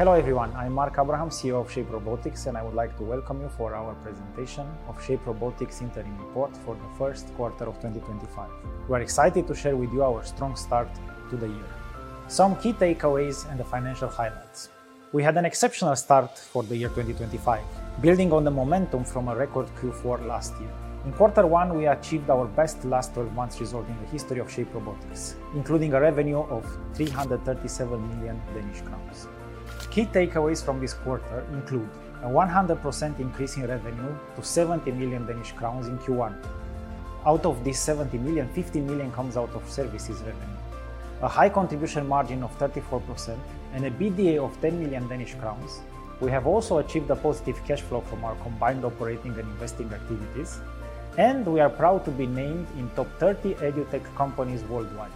Hello everyone. I'm Mark Abraham, CEO of Shape Robotics and I would like to welcome you for our presentation of Shape Robotics interim report for the first quarter of 2025. We are excited to share with you our strong start to the year, some key takeaways and the financial highlights. We had an exceptional start for the year 2025 building on the momentum from a record Q4 last year. In quarter one we achieved our best last 12 months result in the history of Shape Robotics including a revenue of 337 million Danish crowns. Key takeaways from this quarter include a 100% increase in revenue to 70 million Danish crowns in Q1. Out of this 70 million, 50 million comes out of services revenue, a high contribution margin of 34% and an EBITDA of 10 million Danish crowns. We have also achieved a positive cash flow from our combined operating and investing activities, and we are proud to be named in the Top 30 EdTech Companies worldwide.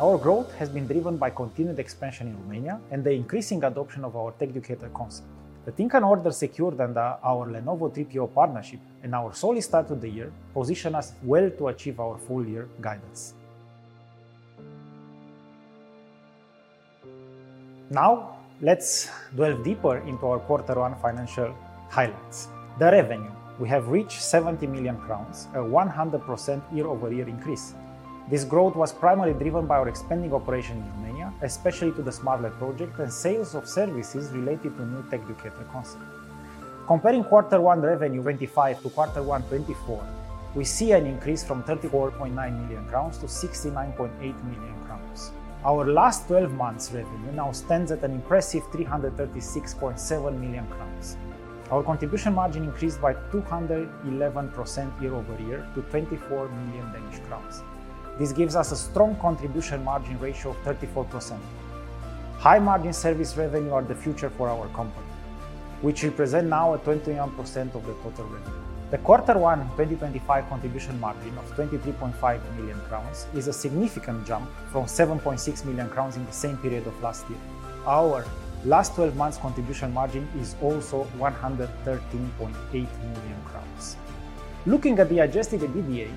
Our growth has been driven by continued expansion in Romania and the increasing adoption of our Techducator concept. The Thinken order secured under our Lenovo TPO partnership and our solid start of the year position us well to achieve our full year guidance. Now let's delve deeper into our quarter one financial highlights. The revenue we have reached 70 million crowns, a 100% year-over-year increase. This growth was primarily driven by our expanding operation in Romania, especially due to the SmartLab project and sales of services related to new Techducator concepts. Comparing quarter one 2025 to quarter one 2024, we see an increase from 34.9 million crowns to 69.8 million crowns. Our last 12 months revenue now stands at an impressive 336.7 million crowns. Our contribution margin increased by 211% year over year to 24 million Danish crowns. This gives us a strong contribution margin ratio of 34%. High margin service revenue are the future for our company which represents now at 21% of the total revenue. The quarter one 2025 contribution margin of 23.5 million crowns is a significant jump from 7.6 million crowns in the same period of last year. Our last 12 months contribution margin is also 113.8 million crowns. Looking at the adjusted EBITDA,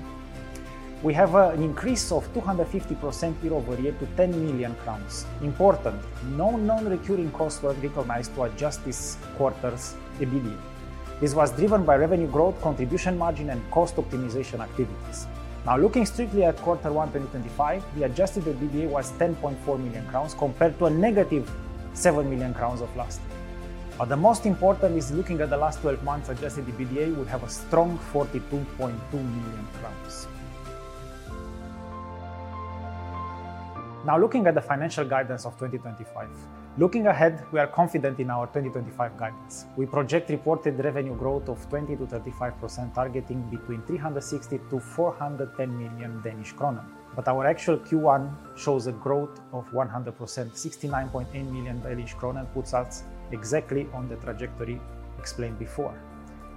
we have an increase of 250% year-over-year to 10 million crowns. Important, no non recurring costs were recognized to adjust this quarter's EBITDA. This was driven by revenue growth, contribution margin and cost optimization activities. Now looking strictly at quarter one 2025, the adjusted EBITDA was 10.4 million crowns compared to a -7 million crowns of last. The most important is looking at the last 12 months, adjusted EBITDA will have a strong DKK 42.2 million. Now looking at the financial guidance of 2025 looking ahead, we are confident in our 2025 guidance. We project reported revenue growth of 20-35% targeting between 360-410 million Danish kroner, but our actual Q1 shows a growth of 100%. 69.8 million Danish kroner puts us exactly on the trajectory explained before.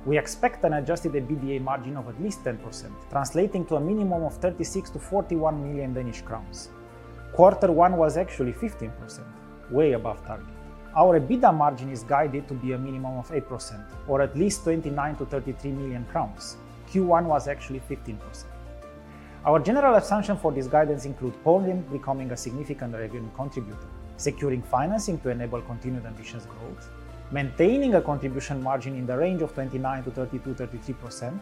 We expect an adjusted EBITDA margin of at least 10% translating to a minimum of 36-41 million Danish crowns. Quarter one was actually 15%, way above target. Our EBITDA margin is guided to be a minimum of 8% or at least 29-33 million crowns. Q1 was actually 15%. Our general assumption for this guidance include Poland becoming a significant revenue contributor, securing financing to enable continued ambitious growth, maintaining a contribution margin in the range of 29%-32%-33%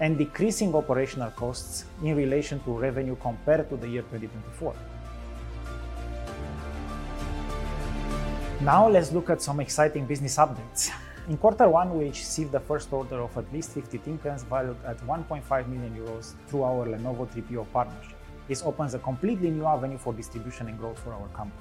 and decreasing operational costs in relation to revenue compared to the year 2024. Now let's look at some exciting business updates. In quarter one we received the first order of at least 50 Thinken units valued at 1.5 million euros through our Lenovo TPO partner. This opens a completely new avenue for distribution and growth for our company.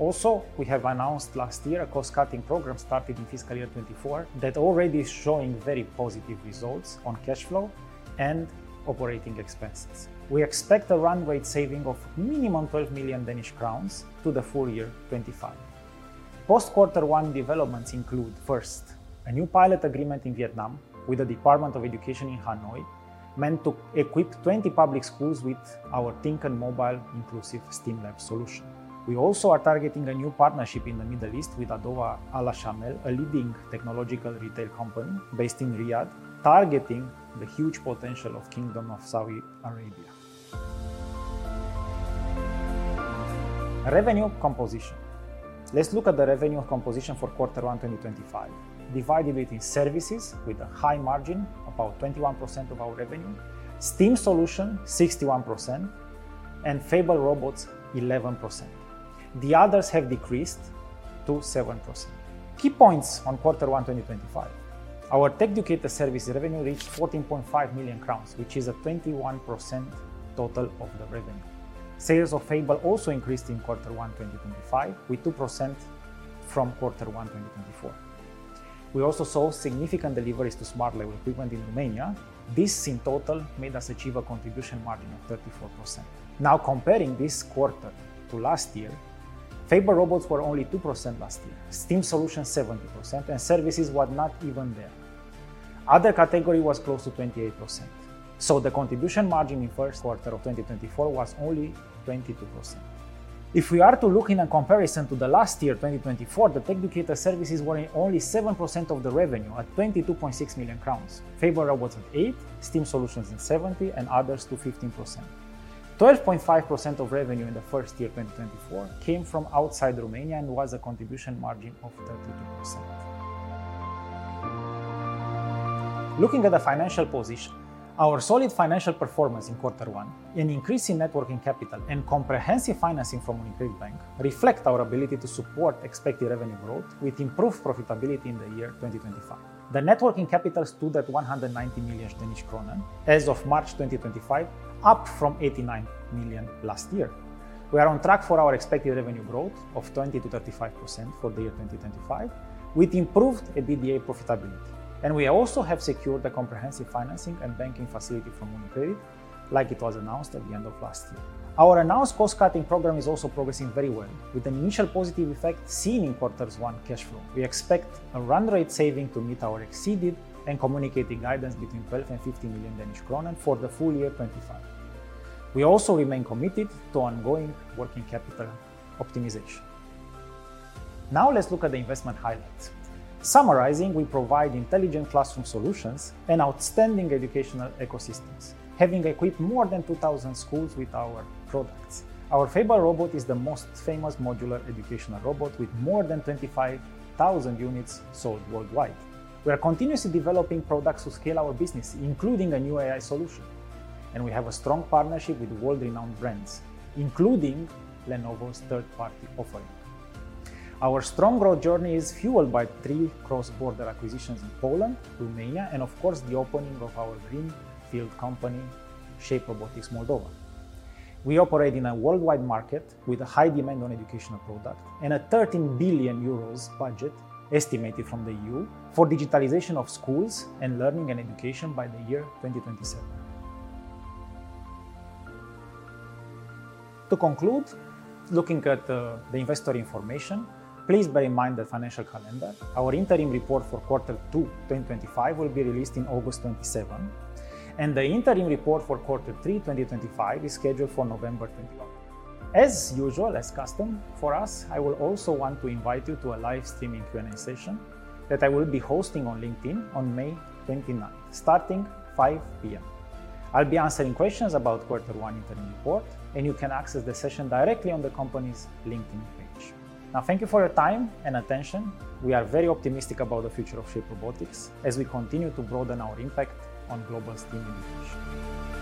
Also we have announced last year a cost cutting program started in fiscal year 2024 that already is showing very positive results on cash flow and operating expenses. We expect a run rate saving of minimum 12 million Danish crowns to the full year 2025. Post quarter one developments include first a new pilot agreement in Vietnam with the Department of Education in Hanoi meant to equip 20 public schools with our Thinken mobile inclusive STEAM Lab Solution. We also are targeting a new partnership in the Middle East with Adowa Alshamel, a leading technological retail company based in Riyadh, targeting the huge potential of Kingdom of Saudi Arabia. Revenue composition, let's look at the revenue composition for quarter one 2025 divided between services with a high margin about 21% of our revenue, STEAM Solution 61%, and Fable Robots 11%. The others have decreased to 7%. Key points on quarter one 2025, our Techducator service revenue reached 14.5 million crowns which is a 21% total of the revenue. Sales of Fable also increased in Q1 2025 with 2% increase from quarter one 2024. We also saw significant deliveries to SmartLab equipment in Romania. This in total made us achieve a contribution margin at 34%. Now comparing this quarter to last year, Fable Robots were only 2% last year, STEAM Solution 70%, and services were not even there. Other category was close to 28%. The contribution margin in first quarter of 2024 was only 22%. If we are to look in a comparison to the last year 2024, the Techducator services were only 7% of the revenue at 22.6 million crowns, Fable was at 8, STEAM Solutions at 70, and others to 15%. 12.5% of revenue in the first year 2024 came from outside Romania and was a contribution margin of 33%. Looking at the financial position, our solid financial performance in quarter one, an increase in net working capital and comprehensive financing from Moniker Bank reflect our ability to support expected revenue growth with improved profitability in the year 2025. The net working capital stood at 190 million as of March 2025, up from 89 million last year. We are on track for our expected revenue growth of 20%-35% for the year 2025 with improved EBITDA profitability and we also have secured a comprehensive financing and banking facility from UniCredit like it was announced at the end of last year. Our announced cost cutting program is also progressing very well with an initial positive effect seen in quarter one cash flow. We expect a run rate saving to meet our exceeded and communicating guidance between 12 million-50 million for the full year 2025. We also remain committed to ongoing working capital optimization. Now let's look at the investment highlights. Summarizing, we provide intelligent classroom solutions and outstanding educational ecosystems, having equipped more than 2,000 schools with our products. Our Fable Robot is the most famous modular educational robot with more than 25,000 units sold worldwide. We are continuously developing products to scale our business including a new AI solution, and we have a strong partnership with world-renowned brands including Lenovo's third-party offering. Our strong growth journey is fueled by three cross-border acquisitions in Poland, Romania, and of course the opening of our greenfield company Shape Robotics Moldova. We operate in a worldwide market with a high demand for educational products and a 13 billion euros budget estimated from the EU for digitalization of schools and learning and education by the year 2027. To conclude looking at the investor information, please bear in mind the financial calendar. Our interim report for quarter two 2025 will be released on August 27 and the interim report for quarter three 2025 is scheduled for November 21. As usual, as custom for us. I will also want to invite you to a live streaming Q&A session that I will be hosting on LinkedIn on May 29 starting 5:00 P.M. I'll be answering questions about quarter one interim report and you can access the session directly on the company's LinkedIn page now. Thank you for your time and attention. We are very optimistic about the future of Shape Robotics as we continue to broaden our impact on global STEAM Solution.